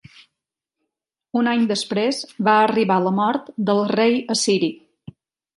Un any després va arribar la mort del rei assiri.